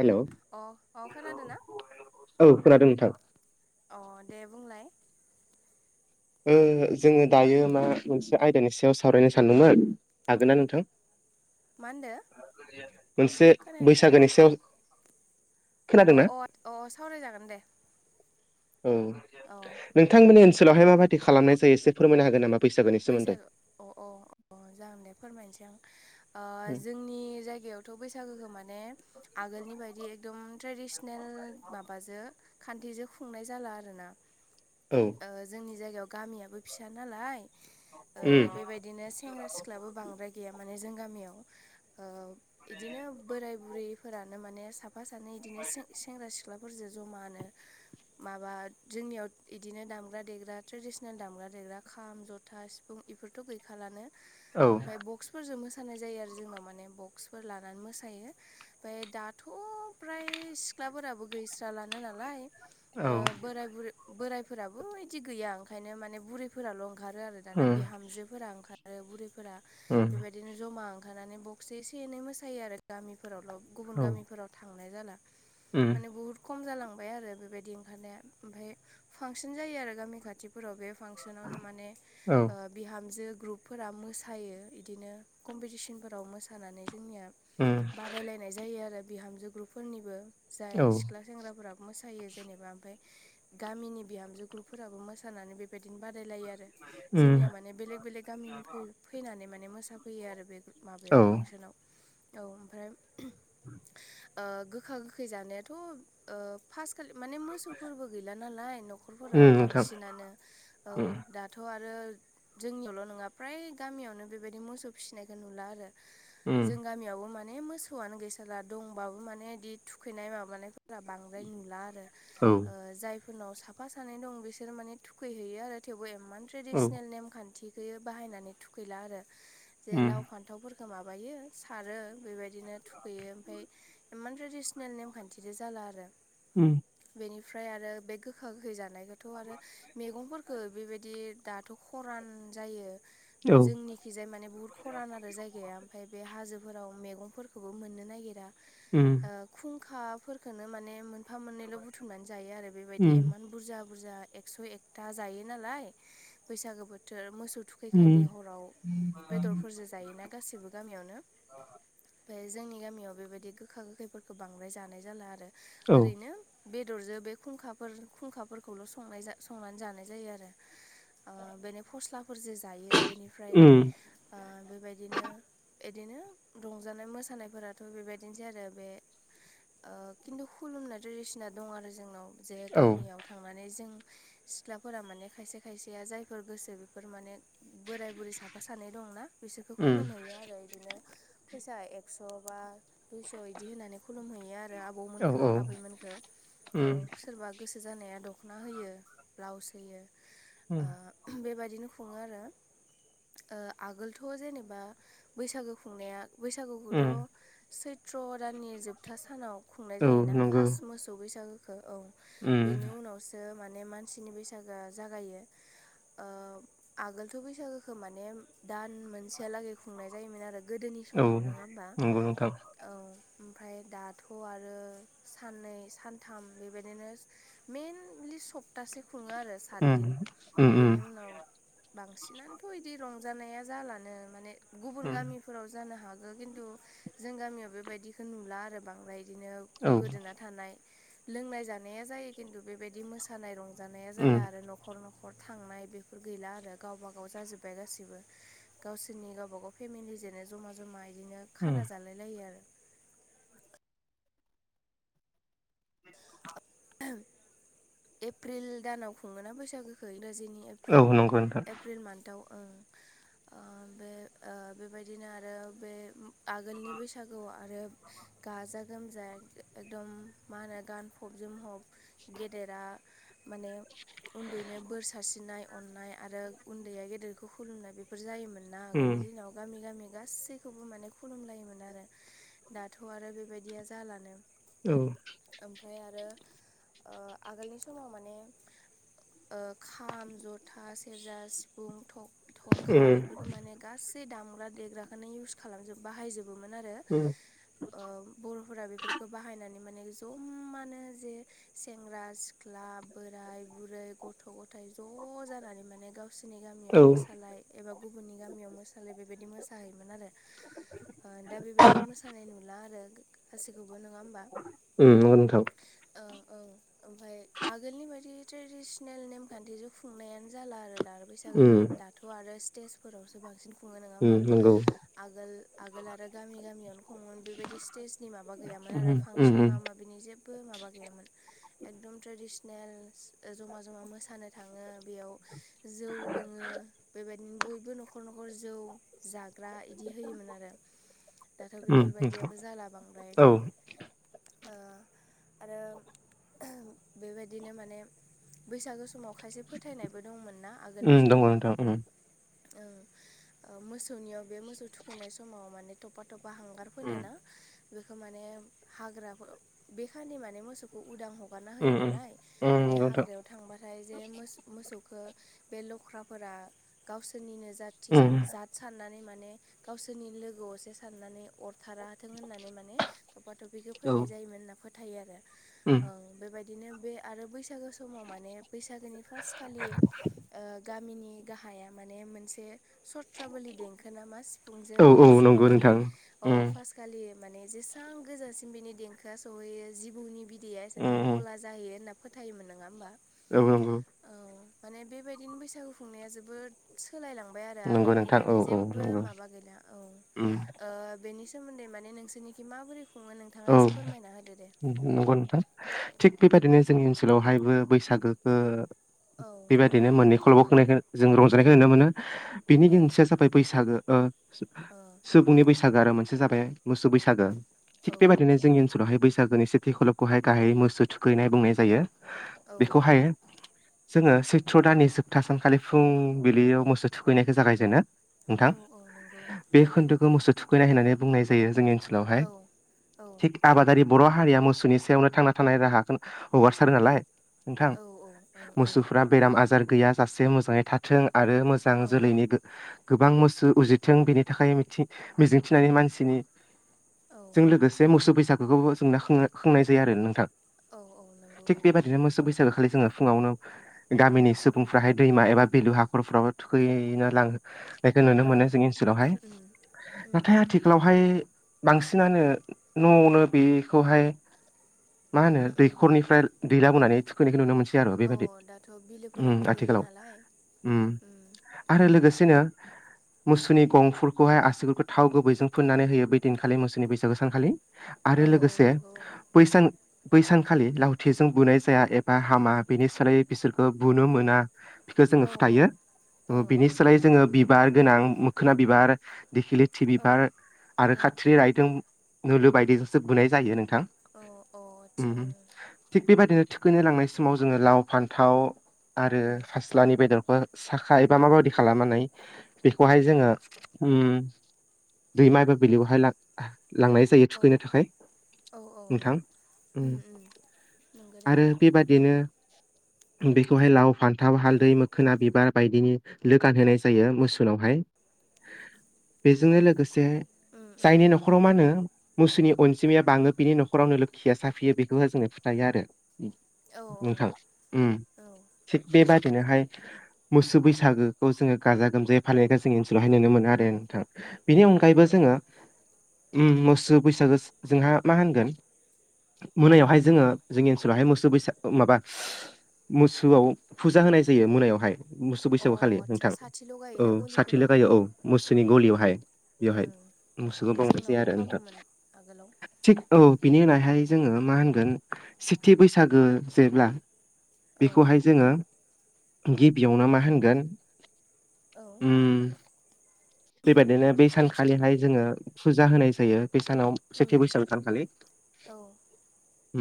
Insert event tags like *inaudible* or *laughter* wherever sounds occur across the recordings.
हेल' औ अ अ खोनादोंना? खोनादों नोंथां अ दे बुंलाय। ओ जोङो दायो मा मोनसे आयदानि सायाव सावरायनो सानदोंमोन। हागोन्ना नोंथां? मा होनदो मोनसे खोनाया बैसागोनि सायाव अ खोनादोंना अ अ सावरायजागोन दे। औ औ नोंथांमोननि ओनसोलावहाय माबादि खालामनायायो एसे फोरमायनो हागोन नामा? बैसागोनि सोमोन्दै बैसागो अ अ अ जागोन दे फोरमायनोसै आं जों आंनि जायगायावथ' बैसागोखौ माने आगोलनि बायदि एकदम ट्रेडिसनेल माबाजों खान्थिजों खुंनाय जाला आरोना। औ जोंनि जायगायाव गामियाबो फिसा नालाय। ओ उम बेबायदिनो सेंग्रा सिख्लााबो बांद्राय गैया माने जों गामियाव। इदिनो बोराय बुरैफोरानो माने साफा सानै इदिनो सेंग्रा सिख्लाफोर फोरजों जमानो माबा जोंनियाव बिदिनो दामग्रा देग्रा ट्रेडिसनेल दामग्रा देग्रा खाम जथ था सिफुं बेफोरथ' गैखालानो औ ओमफ्राय बक्स फोरजों मोसानाय जायो आरो जोंनाव माने बक्सफोर लानानै मोसायो। ओमफ्राय दाथ' फ्राय सिख्लाफोराबो गैस्रालानो नालाय। औ बोराय बुर बोरायफोराबो इदि गैया ओंखायनो माने बुरैफोराल' ओंखारो आरो। दाना उम बिहामजोफोरा ओंखारो बुरैफोरा उम बेबायदि बिदिनो ज'मा ओंखारनानै बक्स एसे एनै मोसायो आरो गामिफोरावल' गुबुन औ गामिफोराव। थांनाय जाला उम माने बहुद खम जालांबाय आरो बेबायदि ओंखारनाया ओमफ्राय फांसन जायो आरो गामि खाथिफोराव बे फांसनावनो माने औ ओ बिहामजो ग्रुपफोरा मोसायो बिदिनो कम्पिटिसनफोराव मोसायो। नानै जोंनिया उम बनाय जायो आरो बिहामजो ग्रुपफोरनिबो औ जाय सिख्ला सेंग्राफोरा मोसायो जेनेबा ओमफ्राय गामिनि बिहामजो ग्रुफोराबो मोसानानै बेबायदिनो बादायलायो आरो। उम जोंनिया माने बेलेग बेलेग गामिनि फैनानै माने मोसाफैयो आरो बे। औ माबायाव फांसनाव औ ओमफ्राय ओ गोखा गोखै जानायाथ' ओ फास्ट खालि माने मोस बथौफोरबो गैला नालाय उम न'खरफोराव नोंथां बांसिनानो औ उम दाथ' आरो आरो जोंनियावल' नङा फ्राय गामियावनो बेबायदि मोसौ फिसिनायखौ नुला आरो। उम जों गामियावबो मा माने मोसौआनो गैसाारला दंबाबो माने बिदि थुखैनाय माबानायफोरा बांद्राय नुला आरो। औ जायफोरनाव साफा सानै दं बिसोरो माने थुखैहैयो आरो थेवबो एमान औ ट्रेडिसनेल नेमखान्थिखौयो बाहायनानै थुखैला आरो जे उम लाव फान्थाव माबायो सारो बेबायदिनो थुखैयो ओमफ्राय इमान ट्रेडिसनेल नेमखान्थिजों जाला आरो। उम बेनिफ्राय आरो बे गोखा गोखै जानायखौथ' आरो मैगंफोरखो बेबायदि दाथ' खरान जायो औ जोंनि खिजाय मानानिे बुहुत खरान आरो जायगाया ओमफ्राय बे हाजोफोराव मैगंफोरखौबो मोननो नागिरा। उम खुंखाफोरफोरखोनो माने मोनफा मोननैल' बुथुमनानै जायो आरो बेबायदि उम इमान बुरजा बुरजा एकस' एकथा जायो नालाय बैसागो बोथोर मोसौ उम थुखैखालि हराव बेदरफोरजो जायोना गासैबो गामियावनो। ओमफ्राय जोंनि गामियाव बेबायदि गोखा गोखैफोरखौ बांद्राय जानाय जाला आरो औ ओरैनो बेदरजों बे खुंखाफोर खुंखाफोरखौल' संनाय संनानै जानाय जायो आरो। ओ बेनो फस्लाफोरजों जायो बेनिफ्राय उम ओ बेबायदिनो एदिनो रंजानाय मोसानायफोराथ' बेबायदिनोसै आरो बे। ओ खिन्थु खुलुमना ट्रेडिसना दं आरो जोंनाव जे औ गामियाव थांनानै जों सिख्लाफोरा माने खायसे खायसे बेया जायफोर गोसो बेफोर माने बोराय बुरै साफा सानै दंना बिसोरखौ उम खुलुम हैैयो आरो। बिदिनो फैसा एकस' बा दुइस' बिदि होनानै खुलुम हैैयो आरो। आरो औ आबौमोनखौ औ आबैमोनखौ औ उम सोरबा गोसो जानाया दख'ना होयो ब्लाउस होयो उम ओ बेबायदिनो खुंङो आरो ओ आगोलथ' जेनेबा बैसागो खुंनाया उम बैसागुखौथ' सैथ्र' दाननि जोबथा सानाव खुंनाय औ जायोना नंगौ फास्ट मोसौ बैसागोखौ उम औ बेनि उनावसो हो माने मानसिनि बैसागोआ जागायो। ओ आगोलथ' बैसागोखौ माने दान मोनसेहालागै खुंनाय जायोमोन आरो। गोदोनि औ समाव नंङा होमबा। नंगौ नोंथां औ ओमफ्राय दाथ' आरो साननै सानथाम बेबायदिनो? मेनलि सप्तासे खुंङो आरो उम सातदिन। उम उम बेनि उनाव बांसिनानोथ' बिदि रंजानाया जालानो माने गुबुन उम गामि फोराव जानो हागौ खिन्थु जों गामियाव बेबायदिखौ नुला आरो बांद्राय बिदिनो? औ गोदोना थानाय लोंनाय जानाया जायो खिन्थु बेबायदि मोसानाय रं रंजानाया उम जाला आरो न'खर न'खर थांनाय बेफोर गैला आरो गावबा गाव जाजोब्बाय गासिबो। गावसोरनि गावबागाव फेमिलि जेनो जमा जमा बिदिनो उम खाना जालाय लायो आरो। एप्रिल दानाव खुंङोना बैसागोखौ इंराजिनि औ प्रिल नंगौ नोंथां एप्रिल मान्थाव औ ओम बे बेबायदिनो आरो बे उम आगोलनि बैसागुआव आरो गाजा गोमजा एकदम मा होनो गानफब जोमहब गेदेरा माने उन्दैनो बोर सारसिननाय अननाय आरो उन्दैया गेदेरखौ खुलुमनाय बेफोर जायोमोन ना उम आगोलनि दिनाव गामि गामि गासैखौबो माने खुलुमलायोमोन आरो। दाथ' आरो बेबायदिया जालानो। औ ओमफ्राय आरो ओ आगोलनि समाव माने ओ खाम जथा सेरजा सिफुं थटक थरखा उम बेफोरखौ माने गासै दामग्रा देग्राखौनो इउस खालामजोब बाहायजोब। बोमोन आरो उम ओम बर' बेफोरखो बाहायनानै जमानो जे सेंग्रा सिख्ला बोराय बुरै गथ' ग'थाय ज' जानानै माने गाव गावसोरनि औ गामियाव उम मोसालाय एबा गुबुननि गामियाव मोसानाय बेबायदि मोसाहैयोमोन आरो। ओ दा बेबायदि मोसानाय नुला आरो गासैखौबो नंङा होमबा। नंगौ नोंथां। औ औ ओमफायय आगोलनि बायदि ट्रेडिसनेल नेमखान्थिजों खुंनायानो जाला आरो दा आरो उम बैसागोखौ दाथ' आरो स्टेजफोरावसो बांसिन खुंङो नंङा होमबा उम नंगौ आगोल आगोल आरो गामि गामियावनो खमोमोन बेबायदि स्टेजनि माबा गैयामोन उम आरो उम उम फांसना मा मा बिनि जेबो माबा गैयामोन एकदम ट्रेडिसनेल जमा जमा मोसानो थांङो बेयाव जौ लोंङो बेबायदिनो बयबो न'खर न'खर गर जौ जाग्रा इदि होयोमोन आरो दाथ' उम नोंथां बेफोरबायदियाबो जाला बांद्राय औ ओ आरो बेबायदिनो माने बैसागो समाव खायसे फोथायनायबो दंमोन ना आगोलनि उम दङ समाव नोंथां उम ओं मोसौनियाव बे मोसौ थुखैनाय समाव माने तपा तपा हांगार उम फोनोना बेखौ माने हाग्राफो खालि माने मोसौखौ उदां हगारना होयो उम उम नालाय उम माने नंगौ नोंथां हाग्रायाव थांबाथाय जे मोसो मोसौखो बे लख्राफोरा गावसोरनिनो जाथि सा उम जाथ साननानै माने गावसोरनि लोगो असे साननानै अरथारा थों होननानै माने थफ्फा थफपिखौ फोननाय जायोमोन होनना फोथायो आरो। उम। बेबायदिनो बे आरो बैसागो समाव माने बैसागोनि फासखालि ओ गा मिनि गाहाया माने मोनसे सथ्रबोलि देंखो ना मा सिफुंजो बेखौ सुबा माने अ फास खालि माने जेसां गोजासिम बिनि देंखोआ सौहैयो जिबौनि बि दैैया एसांसिम उम गला जाहैयो होनना फोथायोमोन नोङा होमबा? औ औ औ। औ माने बेबायदिनो बैसागु खुंनाया जोबोद सोलायलांबाय आरो नंगौ आगोलनि नोंथां औ दानि औ जेबो नंगौ माबा गैला औ उम ओ बेनि सोमोन्दै माने नोंसोरनिखि माबोरै खुङो नोंथाङा औ एसे फोरमायना होदो दे नंगौ नोंथां थिग बेबायदिनो जोंनि ओनसोलावहायबो बैसागो औ। बिदिनो मोननै खल'बो खनायखौ जों रंजानायखौ नुनो मोनो। बेनि औ बे मोनसेया जाबाय बैसागो ओ औ सुबुंनि बैसागो आरो मोनसे जाबाय मोसौ बैसागो औ थिक बेबायदिनो जोंनि ओ ओनसोलावहाय बैसागोनि सेथि खलबखौहाय गाहायै मोसौ थुखैनाय बुंनाय जायो औ बेखौहाय *inaudible* जोङो सैथ्र' दाननि जोबथा सानखालि फुंबिलियाव मोसौ थुखैनायखौ जागायजेनो नोंथां औ औ नंगौ बे ओं खोन्दोखौ मोसौ थुखैनाय होननानै बुंनाय जायो जोंनि ओनसोलावहाय। औ औ थिग आबादारि बर' हारिया मोसौनि सायावनो थांना थानाय राहाखौ हगारसारो नालाय नोंथां औ ओं औ मोसौफ्रा बेराम आजार गैया जाासे मोजाङै थाथों आरो मोजां जोलैनि गोबां मोसौ उजिथों बेनि थाखाय मिथि मिजिंथिनानै मानसिनि औ। लोगोसे मोसौ बैसागुखौबो जोंना खोङो खोंनाय जायो आरो नोंथां। औ औ नंगौ ओं। बिदिनो मोसो बैसागोखालि जोङो फुङावनो गामिनि सुब बुंफ्राहाय दैमा एबा बेलु हाखरफ्रावबो थुखैनो लाङो। बेखौ नुनो मोनो ओं जोंनि ओनसोलावहाय उम औ उम उम नाथाय आथिखालावहाय बांसिन सिनानो न'आवनो बेखौहाय मा होनो उम उम दैखरनिफ्राय दै लाबोनानै खैनायखौ नुनो मोनसै आरो अ बेबायदि दाथ' ओम बिलोफोराबो गैला आथिखालाव नालाय ओम उम आरो लोगोसेनो मुसुनि गंफोरफोरखौहाय आससिगुरखौ थाव गुबैजों फुननानै होयो बे दिनखालि मुसुनि बैसागो सानखालि आरो औ औ लोगोसे नंगौ बै सान बैसानखालि लावथिजों बुनाय जाया एबा हामा बेनि सोलायै बिसोरखौ बुनो मोना बेखो जोङो ओं औ फोथायो औ ओ औ बिनि सोलाय जोङो बि बिबार गोनां मोखोना बिबार दिखिलिथि औ बिबार औ आरो खाथिरि राइ नुल बायदिजोंसो बुनाय जायो नोंथां औ औ आदसा ओम। थिग बेबायदिनो थुखैनो लांनाय समाव जोङो लाव फान्थाव आरो उम खास सिस्लानि बेदरखौ साखा एबा माबायदि खालामनानै बेखौहाय जोङो ओम दैमा एबा बिलोयावहाय लाग्गा लांनाय जायो औ थुखैनो थाखाय औ औ नोंथां उम नंगौ दे आरो बेबादिनो बेखौहाय लाव फान्थाव हालदै मोखोना बिबार बायदिनि लो गानहोनाय जायो मोसौनावहाय बेजोंनो लोगो से उम उम जायनि न'खर जोंङो मोसौनि अनजिमाया बांङो बिनि न'खरावनो लोखिया साफियो बेखौहा जोंनो फोथायो आरो। औ नोंथां उम औ थिग बेबादिनोहाय मोसौ बैसागोखौ जोङो गाजा गोमजायै फालिनायखौ जोंनि ओनसोलावहाय नुनो मोनो आरो नोंथां। बेनि औ अनगायैबो जोङो। मोसौ बैसागो जोंहा मा होनगोन औ मोनायावहाय जोङो जोंनि ओनसोलावहाय मोसौ बैसाग अ माबा औ मोसौआव फुजा होनाय जायो मोनायावहाय। मोसौ अ बैसागु खालि आदसा नोंथां साथि औ लगायोना साथि गलिफोराव लगायो औ मोसौनि गलियावहाय बेवहाय। उम औ मोसौखौ बावनोसै जोंनावबो आरो। नोंथां खामोमोन आगोलाव। थिग औ बिनि उनावहाय जोङो मा होनगोन सेथि बैसागो जेब्ला औ बेखौहाय जोङो गिबियावनो मा होनगोन औ। उम बेबायदिनो बे सानखालिहाय जोङो फुजा होनाय जायो बे सानाव सेथि उम बैसागु सानखालि औ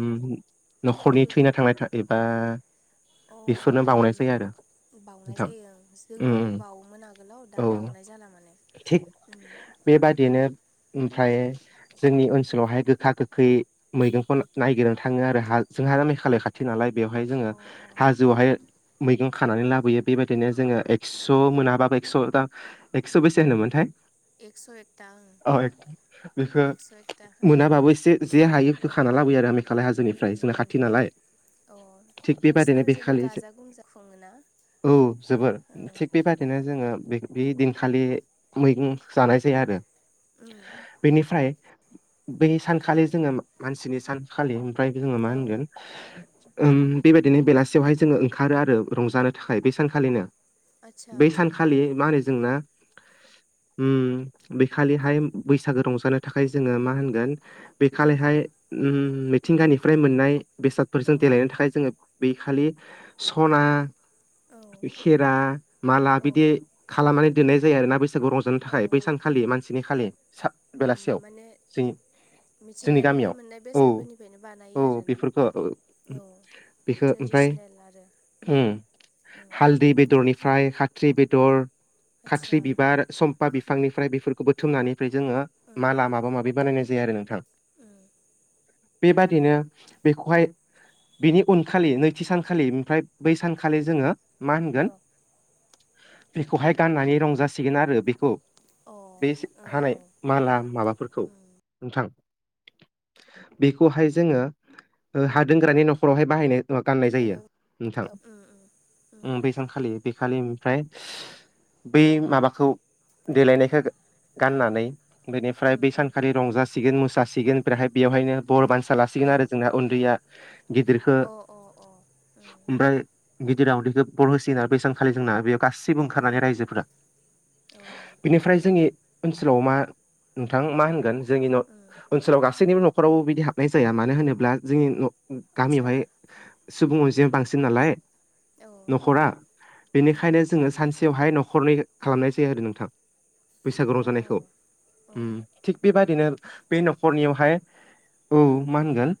न'खरनि उम फुजा थैना थांनाय एबा अ बेफोरनो उम बावनाय उम। जायो आरो बाउनाय नोंथां जायो ओं उम जोंनावबो उम बाउवोमोन आगोलाव औ दा बाउनाय जाला माने। थिग उम बेबादिनो ओमफ्राय जोंनि ओनसोलावहाय गोखा गोखै मैगंखौ खन नायगिरनो थाङो आरो हा जोंहा मेघालय खा थि नालाय बेवहाय जोङो अ हाजोआवहाय मैगं खानानै लाबोयो बेबायदिनो जोङो एक्स' मोनाबाबो एक्स' था एकस' बेसे होनोमोनथाय? एकस' एक औ ए बेखौ एकथा ओं मोनाबाबो एसे जे हायो बेखौ खाना लाबोयो आरो खालाय उम हाजोनिफ्राय जोंना उम खाथि नालाय। अ थिग नोंसिना बेबादिनो जोबोर बेखालि गाजा गोमजा खुङोना औ जोबोर औ थिग बेबा बिदिनो जोङो बे बे दिनखालि मैगं जानाय जायो आरो। उम बेनिफ्राय बै सानखालि जोङो मानसिनि सान खालि ओमफ्राय जोङो मा औ होनगोन। उम बेबायदिनो बेलासियावहाय जोङो ओंखारो आरो रंजानो थाखाय बेै सानखालिनो। आदसा बै आदसा सानखालि मा होनो जोंना उम बे खालिहाय बैसागो रंजानो थाखाय जोङो मा होनगोन बे औ खालिहाय उम मिथिंगानिफ्राय मोननाय बेसादफोरजों औ देलायनो थाखाय जोङो बेै खालि सना औ खेरा माला बिदि औ खालामनानै दोननाय जायो आरोना बैसागु रंजानो थाखाय औ बैसानखालि मानसिनि खालि। सा उम बेलासियाव माने जों मिथिंगानिफ्राय मोननाय बेसादफोरनिफ्रायनो औ बानायो आरोना बेफोरखौ ओ औ। बेखौ ओमफ्राय ट्रेडिसनेल आरो। उम उम हालदै बेदरनि फ्राय खाथ्रि बेदर आदसा खाथ्रि बिबार सम्फा बिफांनिफ्राय बेफोरखौ बोथुमनानै ओमफ्राय जोङो उम माला माबा माबि बानायनाय जायो आरो नों उम। बेबादिनो बेखौहाय बिनि उनखालि नैथि सानखालि ओमफ्राय बै सानखालि जोङो मा होनगोन औ बेखौहाय गाननानै रंजासिगोन आरो बेखौ बे अ। हानाय औ माला माबाफोरखौ। उम नोंथां बेखौहाय जोङो ओ हा दोनग्रानि न'खरावहाय बाहायनो गाननाय बे जायो नोंथां ओ ओ बे सानखालि बेखालि ओमफ्राय बै माबाखौ देलायनायखौ गाननानै बेनिफ्राय बै सानखालि रंजासिगोन मोसासिगोन ओमफ्रायहाय बेवहायनो बर बान लासिगोन आरो जोंना उन्दैया गिदिरखौ औ अ अ उम ओमफ्राय गिदिरा उदैखौ बर होसिगोन आरो बेबां खालि जोंना बेयाव गासैबो उम ओंखारनानै रायजोफोरा अ बेनिफ्राय जोंनि ओनसोलाव मा नोंथां मा होनगोन जोंनिन' उम ओनसोलाव गासैनिबो न'खरावबो बिदि हाबनाय जाया मानो होनोब्ला जोंनि न' आदसा गामियावहाय सुबुं अनजि बांसिन नालाय अ न'खरा बेनिखायनो अ जोङो सानसेयावहाय न'खरनै खालामनाय जायो आरो नोंथां बैसागु र जानायखौ औ थिग बेबायदिनो बे न'खरनिहाय औ उम मा होनगोन?